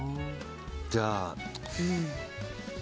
じゃあ。